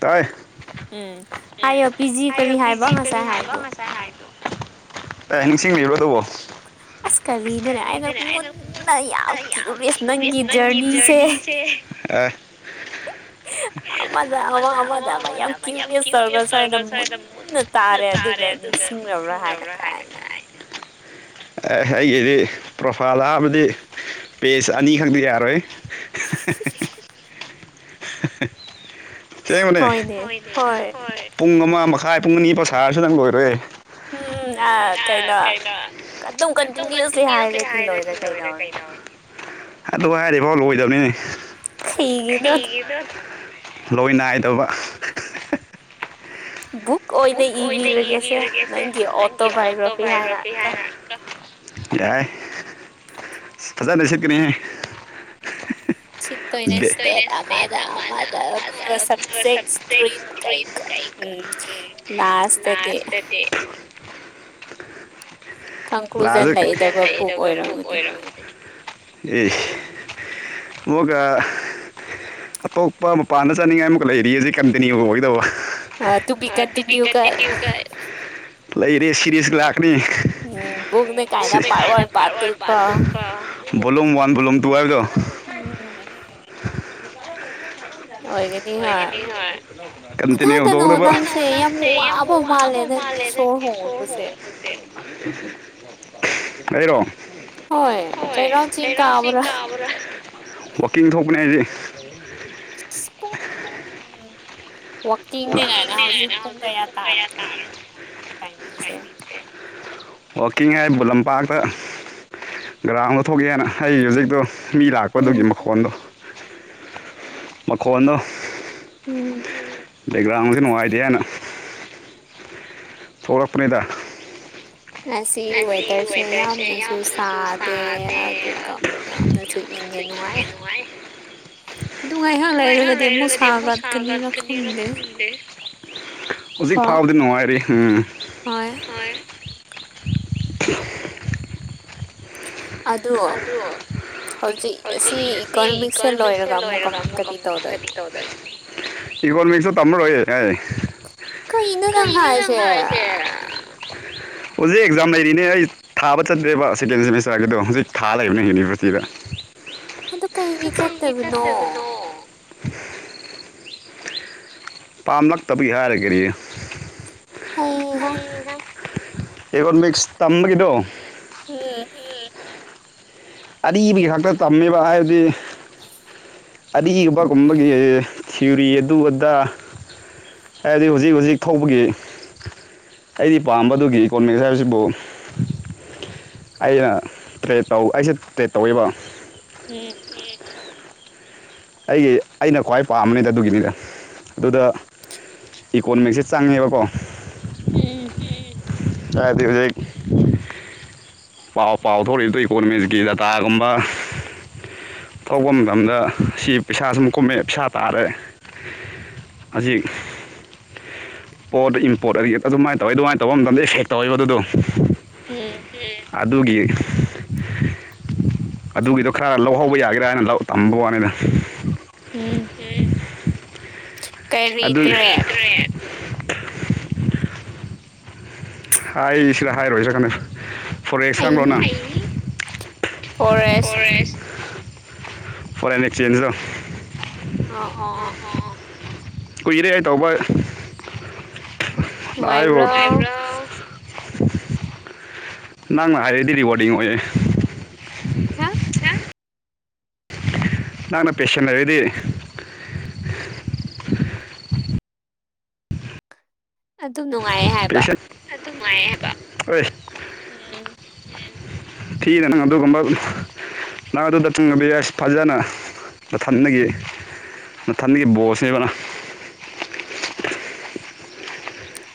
ꯇꯥꯏ ꯎꯝ ꯍꯥꯏꯌꯣ ꯄꯤ ꯖꯤ ꯀꯔꯤ ꯍꯥꯏꯕ ꯉꯁꯥꯏ ꯍꯥꯏꯗꯣ ꯑꯦ ꯅꯤꯡꯁꯤꯡꯕꯤꯕ꯭ꯔꯣ ꯇꯕꯣ [unintelligible] ꯑꯁ ꯀꯔꯤꯅꯅꯦ ꯑꯩꯅ ꯃꯨꯟꯅ ꯌꯥꯝ ꯀ꯭ꯌꯨꯔꯤꯌꯁ ꯅꯪꯒꯤ ꯖꯔꯅꯤꯁꯦ ꯑ [inaudible] ꯎꯝ ꯑꯃꯗ ꯑꯃ ꯑꯃꯗ ꯑꯃ ꯌꯥꯝ ꯀ꯭ꯌꯨꯔꯤꯌꯁ ꯇꯧꯔꯒ ꯁ꯭ꯋꯥꯏꯗ ꯃꯨꯟꯅ ꯇꯥꯔꯦ ꯑꯗꯨꯒ ꯅꯤꯡꯁꯤꯡꯂꯕꯔ ꯍꯥꯏꯅ ꯀꯥꯏꯅ ꯑꯩꯒꯤꯗꯤ ꯄ꯭ꯔꯣꯐꯥꯏꯜ ꯍꯥꯞꯄꯗꯤ ꯄꯦꯖ ꯑꯅꯤ ꯈꯛ ꯌꯥꯔꯣꯏ [unintelligible] [unintelligible] ꯆꯦꯡꯕꯅꯦ ꯍꯣꯏꯅꯦ ꯍꯣꯏ ꯄꯨꯡ ꯑꯃ ꯃꯈꯥꯏ ꯄꯨꯡ ꯑꯅꯤ ꯄꯥꯎ ꯁꯥꯔꯁꯨ ꯅꯪ ꯂꯣꯏꯔꯣꯏꯌꯦ ꯎꯝ ꯑꯥ ꯎꯝ ꯀꯩꯅꯣ ꯑꯗꯨꯝ ꯀꯟꯇꯤꯅꯤꯌꯨꯁꯦ ꯍꯥꯏꯔꯗꯤ ꯂꯣꯏꯔꯦ ꯀꯩꯅꯣ ꯑꯗꯨ ꯍꯥꯏꯗꯤꯐꯥꯎ ꯂꯣꯏꯗꯕꯅꯤꯅꯦ ꯀꯩꯒꯤꯅꯣ ꯂꯣꯏ ꯅꯥꯏꯗꯕ ꯕꯨꯛ ꯕꯨꯛ ꯑꯣꯏꯅ ꯏꯕꯤꯔꯒꯦꯁꯦ ꯅꯪꯒꯤ ꯑꯣꯇꯣꯕꯥꯏꯌꯑꯣꯒ꯭ꯔꯥꯐꯤ ꯍꯥꯏꯅ ꯀꯣ ꯌꯥꯏ ꯐꯖꯅ ꯁꯤꯠꯀꯅꯤꯍꯦ ꯎꯝ ꯆꯤꯠ ꯇꯣꯏꯅꯦ ꯕꯦ ꯁꯇꯦꯠ ꯑꯃꯗ ꯑꯃꯗ ꯁꯖꯦ ꯁꯇ꯭ꫪꯤꯝ ꯀꯩꯀ ꯎꯝ ꯂꯥꯁꯇꯗꯤ [inaudible] ꯀꯟꯀ꯭ꯂꯨꯖꯟ ꯂꯥꯛꯑꯁꯨ ꯂꯩꯗꯕ ꯕꯨꯛ ꯑꯣꯏꯔꯝꯒꯅꯤ ꯑꯦ ꯑꯃꯨꯛꯀ ꯑꯇꯣꯞꯄ ꯃꯄꯥꯟꯗ ꯆꯥꯅꯤꯡꯉꯥꯏ ꯑꯃꯨꯛꯀ ꯂꯩꯔꯤꯌꯦ ꯀꯝꯇꯅꯤ ꯑꯣꯏꯒꯗꯧꯕ ꯇꯨ ꯕꯤ ꯀꯟꯇꯤꯅ꯭ꯌꯨꯒ ꯂꯩꯔꯦ ꯁꯤꯔꯤꯁ ꯂꯥꯛꯅꯤ ꯎꯝ ꯕꯨꯛꯅꯦ ꯀꯥꯏꯅ ꯄꯥꯔꯠ ꯋꯥꯟ ꯄꯥꯔꯠ ꯇꯨ ꯀꯣ ꯚꯣꯂꯨꯝ ꯋꯥꯟ ꯚꯣꯂꯨꯝ ꯇꯨ ꯍꯥꯏꯕꯗꯣ ꯎꯝ ꯑꯣꯏꯒꯅꯤ ꯍꯣꯏ ꯀꯟꯇꯤꯅ꯭ꯌꯨ ꯇꯧꯗꯕ ꯁꯦ ꯌꯥꯝ ꯋꯥꯕ ꯃꯥꯜꯂꯦ ꯅꯪꯒꯤ ꯁꯣꯔ ꯍꯣꯟꯕꯁꯦ ꯑꯩꯔꯣ ꯍꯣꯏ ꯆꯩꯔꯥꯎ ꯆꯤꯡ ꯀꯥꯕ꯭ꯔꯥ ꯋꯥꯛꯀꯤꯡ ꯊꯣꯛꯄꯅꯦ ꯑꯩꯗꯤ ꯁ ꯄꯨꯡ ꯎꯝ ꯋꯥꯛꯀꯤꯡꯅꯦꯅ ꯍꯧꯖꯤꯛ ꯄꯨꯡ ꯀꯌꯥ ꯇꯥꯔꯕꯅ ꯅꯪꯒꯤ ꯋꯥꯀꯤꯡ ꯇꯥꯏꯃꯤꯡꯁꯦ ꯋꯥꯛꯀꯤꯡ ꯍꯥꯏꯕꯨ ꯂꯝꯄꯥꯛꯇ ꯒ꯭ꯔꯥꯎꯟꯗ ꯊꯣꯛꯀꯦꯅ ꯑꯩ ꯍꯧꯖꯤꯛꯇꯣ ꯃꯤ ꯎꯝ ꯂꯥꯛꯄꯗꯨꯒꯤ ꯃꯈꯣꯟꯗꯣ ꯃꯈꯣꯟꯗꯣ ꯎꯝ ꯕꯦꯛꯒ꯭ꯔꯥꯎꯟꯁꯦ ꯅꯨꯡꯉꯥꯏꯇꯦ ꯍꯥꯏꯅ ꯊꯂꯛꯄꯅꯤꯗ ꯑ ꯑꯁꯤ ꯋꯦꯗꯔꯁꯦ ꯌꯥꯝꯅꯁꯨ ꯁꯥꯗꯦ ꯑꯗꯨꯒ ꯌꯥꯝꯅꯁꯨ ꯑ ꯏꯦ ꯅꯨꯡꯉꯥꯏ ꯑꯗꯨ ꯉꯥꯏꯍꯥꯛ ꯂꯩꯔꯒꯗꯤ ꯑꯃꯨꯛ ꯁꯥꯒꯠꯀꯅꯤꯅ ꯈꯪꯗꯦ ꯀꯣ ꯍꯧꯖꯤꯛ ꯐꯥꯎꯕꯗꯤ ꯅꯨꯡꯉꯥꯏꯔꯤ ꯎꯝ ꯍꯣꯏ ꯑꯗꯣ ꯗꯣ ꯍꯧꯖꯤꯛ ꯑꯁꯤ ꯏꯀꯣꯅꯣꯃꯤꯛꯁꯁꯦ ꯂꯣꯏꯔꯒ ꯑꯃꯨꯛ ꯀꯝ ꯀꯔꯤ ꯇꯧꯗꯣꯏꯅꯣ ꯏꯀꯣꯅꯣꯃꯤꯛꯁꯁꯨ ꯇꯝꯃꯔꯣꯏ ꯑꯩ ꯀꯩꯅꯣ ꯅꯪ ꯍꯥꯏ ꯍꯥꯏꯁꯦ [inaudible] ꯍꯧꯖꯤꯛ ꯑꯦꯛꯖꯥꯝ ꯂꯩꯔꯤꯅꯦ ꯑꯩ ꯊꯥꯕ ꯆꯠꯇ꯭ꯔꯦꯕ ꯁꯦꯀꯦꯟ ꯁꯦꯃꯤꯁꯇꯔꯒꯤꯗꯣ ꯍꯧꯖꯤꯛ ꯊꯥ ꯂꯩꯕꯅꯦ ꯌꯨꯅꯤꯚꯔꯁꯤꯇꯤꯗ ꯑꯗꯨ ꯀꯩꯒꯤ ꯆꯠꯇꯕꯅꯣ ꯄꯥꯝꯂꯛꯇꯕꯒꯤ ꯍꯥꯏꯔꯒ ꯀꯔꯤꯅꯣ ꯍꯩꯍꯥ ꯏꯀꯣꯅꯣꯃꯤꯛꯁ ꯇꯝꯕꯒꯤꯗꯣ [unintelligible] ꯑꯔꯤꯕꯒꯤ ꯈꯛꯇ ꯇꯝꯃꯤꯕ ꯍꯥꯏꯕꯗꯤ ꯑꯔꯤꯒꯨꯝꯒꯕꯒꯤ ꯊꯤꯎꯔꯤ ꯑꯗꯨ ꯑꯗꯥ ꯍꯥꯏꯗꯤ ꯍꯧꯖꯤꯛ ꯍꯧꯖꯤꯛ ꯊꯣꯛꯕꯒꯤ ꯑꯩꯗꯤ ꯄꯥꯝꯕꯗꯨꯒꯤ ꯏꯀꯣꯅꯣꯃꯤꯛꯁ ꯍꯥꯏꯕꯁꯤꯕꯨ ꯑꯩꯅ ꯇ꯭ꯔꯦꯠ ꯇꯧ ꯑꯩꯁꯦ ꯇ꯭ꯔꯦꯠ ꯇꯧꯋꯦꯕ [unintelligible] ꯑꯩꯒꯤ ꯑꯩꯅ ꯈ꯭ꯋꯥꯏ ꯄꯥꯝꯕꯅꯤꯗ ꯑꯗꯨꯒꯤꯅꯤꯗ ꯑꯗꯨꯗ ꯏꯀꯣꯅꯣꯃꯤꯛꯁꯦ ꯆꯪꯉꯦꯕꯀꯣ ꯎꯝ ꯌꯥꯗꯦ ꯍꯧꯖꯤꯛ ꯄꯥꯎ ꯄꯥꯎ ꯊꯣꯛꯏꯗꯣ ꯏꯀꯣꯅꯣꯃꯤꯁꯀꯤ ꯗꯇꯥꯒꯨꯝꯕ ꯊꯣꯛꯄ ꯃꯇꯝꯗ ꯁꯤ ꯄꯩꯁꯥ ꯁꯨꯝ ꯀꯨꯝꯃꯛꯑꯦ ꯄꯩꯁꯥ ꯇꯥꯔꯦ ꯍꯧꯖꯤꯛ ꯄꯣꯠ ꯏꯝꯄꯣꯠ ꯑꯒꯤ ꯑꯗꯨꯃꯥꯏꯅ ꯇꯧꯋꯤ ꯑꯗꯨꯃꯥꯏꯅ ꯇꯧꯕ ꯃꯇꯝꯗ ꯑꯦꯐꯦꯛ ꯇꯧꯋꯦꯕ ꯑꯗꯨꯗꯣ [unintelligible] ꯑꯗꯨꯒꯤ ꯑꯗꯨꯒꯤꯗꯣ ꯈꯔ ꯂꯧꯍꯧꯕ ꯌꯥꯒꯦꯔꯥꯅ ꯇꯝꯕ ꯋꯥꯅꯤꯗ ꯎꯝ ꯀꯔꯤ ꯑꯗꯨ ꯇ꯭ꯔꯦꯠ ꯑꯩ ꯁꯤꯗ ꯍꯥꯏꯔꯣꯏꯖꯔ ꯀꯥꯟꯗ ꯐꯣꯔ ꯑꯩ ꯑꯦꯛꯖꯥꯝꯄ꯭ꯂꯣꯅꯪ ꯐꯣꯔꯦꯁ ꯐꯣꯔꯦꯅꯤꯛ ꯆꯦꯟꯖꯗ ꯑ ꯑꯣ ꯑꯣ ꯀꯨꯏꯔꯦ ꯍꯥꯏ ꯇꯧꯕ ꯑꯕ ꯅꯨꯡꯉꯥꯏꯕ꯭ꯔꯣ ꯅꯪꯅ ꯍꯥꯏꯔꯗꯤ ꯔꯤꯋꯥꯔꯗꯤꯡ ꯑꯣꯏꯌꯦꯦ ꯍꯥ ꯅꯍꯪꯅ ꯄꯦꯁꯦꯟ ꯂꯩꯔꯗꯤ ꯑꯗꯨꯝ ꯅꯨꯡꯉꯥꯏꯌꯦ ꯍꯥꯏꯕ ꯑꯗꯨꯃꯥꯏꯌꯦ ꯍꯥꯏꯕ ꯑꯣꯏ ꯑꯦ ꯊꯤꯗ ꯅꯪ ꯑꯗꯨꯒꯨꯝꯕ ꯅꯪ ꯑꯗꯨꯗ [unintelligible] ꯉꯕꯤ ꯌꯥꯏ ꯐꯖꯅ ꯃꯊꯟꯒꯤ ꯃꯊꯟꯒꯤ ꯕꯣꯁꯅꯦꯕ ꯅꯪ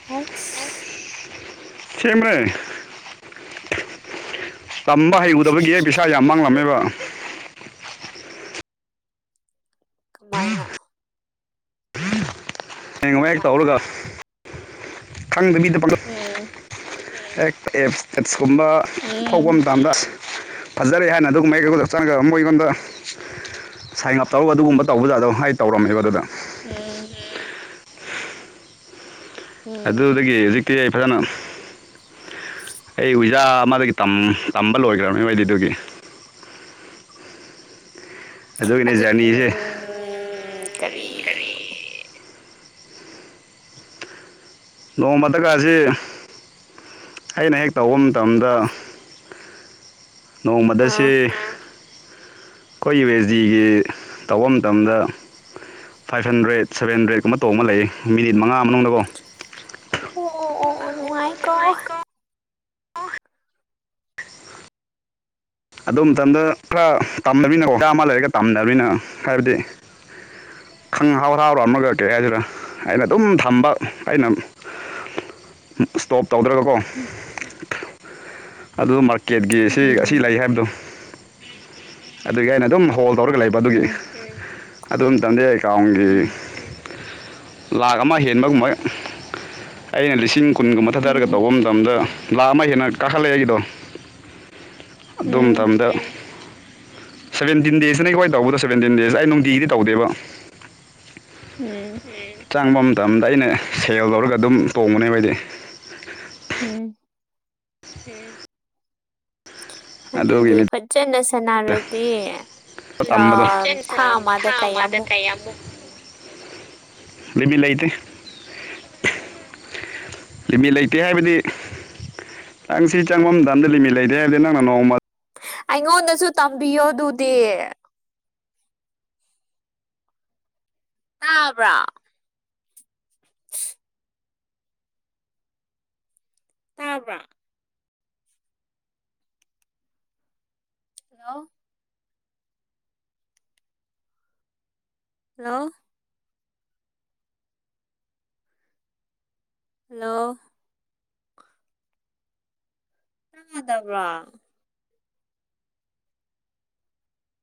ꯍꯥꯏꯁ ꯁꯦꯡꯕꯅꯦ ꯇꯝꯕ ꯍꯩꯔꯨꯗꯕꯒꯤ ꯄꯩꯁꯥ ꯌꯥꯝ ꯃꯥꯡꯂꯝꯃꯦꯕ ꯀꯃꯥꯥꯏꯅ ꯍꯌꯦ ꯉꯋꯥꯏꯦꯛ ꯇꯧꯔꯒ ꯈꯪꯗꯕꯤꯗ ꯄꯥꯡꯒ ꯎꯝ ꯍꯦꯛ ꯑꯦꯞꯁ ꯇꯦꯞꯁꯀꯨꯝꯕ ꯐꯧꯕ ꯎꯝ ꯃꯇꯝꯗꯁ ꯐꯖꯔꯦ ꯍꯥꯏꯅ ꯑꯗꯨꯒꯨꯝꯕꯩꯀꯩꯒꯗ ꯆꯪꯉꯒ ꯑꯃꯨꯛ ꯑꯩꯉꯣꯟꯗ ꯁꯥꯏꯟ ꯑꯞ ꯇꯧꯔꯒ ꯑꯗꯨꯒꯨꯝꯕ ꯇꯧꯕ ꯖꯥꯗꯣ ꯑꯩ ꯇꯧꯔꯝꯃꯦꯕꯣ ꯑꯗꯨꯗ ꯎꯝ ꯎꯝ ꯑꯗꯨꯗꯒꯤ ꯍꯧꯖꯤꯛꯇꯤ ꯑꯩ ꯐꯖꯅ ꯑꯩ ꯍꯋꯤꯖꯥ ꯑꯃꯗꯒꯤ ꯇꯝꯕ ꯂꯣꯏꯈ꯭ꯔꯕꯅꯤ ꯃꯩꯗꯤꯗꯨꯒꯤ ꯑꯗꯨꯒꯤꯅꯤ ꯑꯗꯨ ꯎ ꯖꯔꯅꯤꯁꯦ ꯀꯔꯤ ꯅꯣꯡꯃꯗꯀꯥꯁꯤ ꯑꯩꯅ ꯍꯦꯛ ꯇꯧꯕ ꯃꯇꯝꯗ ꯅꯣꯡꯃꯗꯁ ꯑꯥ ꯑꯩꯈꯣꯏ ꯌꯨ ꯑꯦꯁ ꯖꯤꯒꯤ ꯇꯧꯕ ꯃꯇꯝꯗ ꯐꯥꯏꯞ ꯍꯟꯗ꯭ꯔꯦꯠ ꯁꯕꯦꯟ ꯍꯟꯗ꯭ꯔꯦꯠꯀꯨꯝꯕ ꯇ ꯑꯃ ꯂꯩ ꯃꯤꯅꯤꯠ ꯃꯉꯥ ꯃꯅꯨꯡꯗꯀꯣ ꯑꯣ ꯑꯣ ꯑꯣ ꯅꯨꯡꯉꯥꯏ ꯀꯣ ꯑꯗꯨ ꯃꯇꯝꯗ ꯈꯔ ꯇꯝꯗꯕꯤꯅꯤꯅꯀꯣꯆꯥ ꯑꯃ ꯂꯩꯔꯒ ꯇꯝꯗꯕꯅꯤꯅ ꯍꯥꯏꯕꯗꯤ ꯈꯪ ꯍꯥꯎꯔꯥꯎꯔ ꯑꯃꯒ ꯀꯩ ꯍꯥꯏꯁꯤꯅ ꯑꯩꯅ ꯑꯗꯨꯝ ꯊꯝꯕ ꯑꯩꯅ [inaudible] ꯏꯁꯇꯣꯞ ꯇꯧꯗ꯭ꯔꯒꯀꯣ ꯑꯗꯨ ꯃꯥꯔꯀꯦꯠꯀꯤ ꯑꯁꯤ ꯑꯁꯤ ꯎꯝ ꯂꯩ ꯍꯥꯏꯕꯗꯣ ꯑꯗꯨꯒꯤ ꯑꯩꯅ ꯑꯗꯨꯝ ꯍꯣꯜ ꯇꯧꯔꯒ ꯂꯩꯕ ꯑꯗꯨꯒꯤ ꯎꯝ ꯑꯗꯨꯝ ꯇꯝꯗꯦ ꯑꯦꯀꯥꯎꯟꯒꯤ ꯎꯝ ꯂꯥꯛ ꯑꯃ ꯍꯦꯟꯕꯒꯨꯝꯕ ꯑꯩꯅ ꯂꯤꯁꯤꯡ ꯀꯨꯟꯒꯨꯝꯕ ꯊꯥꯗꯔꯒ ꯎꯝ ꯇꯧꯕ ꯃꯇꯝꯗ ꯂꯥꯛꯑ ꯑꯃ ꯍꯦꯟꯅ ꯀꯥꯈꯠꯂꯛꯑꯦ ꯑꯩꯒꯤꯗꯣ ꯑꯗꯨꯝ ꯎꯝ ꯃꯇꯝꯗ ꯁꯕꯦꯟꯇꯤꯟ ꯗꯦꯖꯇꯅ ꯀꯥꯏ ꯇꯧꯕꯗ ꯁꯕꯦꯟꯇꯤꯟ ꯗꯦꯖ ꯑꯩ ꯅꯨꯡꯇꯤꯒꯤ ꯇꯧꯗꯦꯕ ꯎꯝ ꯆꯪꯕ ꯃꯇꯝꯗ ꯑꯩꯅ ꯁꯦꯜ ꯂꯧꯔꯒ ꯑꯗꯨꯝ ꯇꯣꯡꯕꯅꯦꯕꯗꯤ ꯎꯝ ꯍꯦ ꯑꯗꯨꯗꯤ ꯐꯖꯅ ꯁꯥꯟꯅꯔꯗꯤ ꯊꯥ ꯑꯃꯗ ꯀꯌꯥꯃꯨꯛ ꯎꯝ ꯂꯩꯕꯤ ꯂꯩꯇ ꯂꯤꯃꯤꯠ ꯂꯩꯇꯦ ꯍꯥꯏꯕꯗꯤ ꯑꯪ ꯁꯤ ꯆꯪꯃꯝꯗꯥꯟꯗ ꯂꯤꯃꯤꯠ ꯂꯩꯔꯦ ꯍꯥꯏꯕꯗꯤ ꯅꯪꯅ ꯅꯣꯡꯃ ꯑꯩꯉꯣꯟꯗꯁꯨ ꯇꯝꯕꯤꯌꯣ ꯑꯗꯨꯗꯤ ꯇꯕ꯭ꯔꯥ ꯇꯥꯕ꯭ꯔ ꯍꯜꯂꯣ ꯍꯜꯂꯣ ꯍꯜꯂꯣ ꯗꯕ꯭ꯔ